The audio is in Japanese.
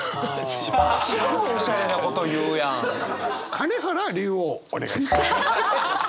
金原竜王お願いします。